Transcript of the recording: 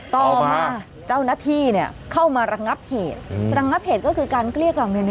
ต่อมาเจ้าหน้าที่เข้ามาระงับเหตุระงับเหตุก็คือการเกลี้ยกล่อม